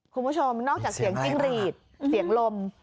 คุณผู้ชมนอกแสดงเสียงจริงรีดเสียงลม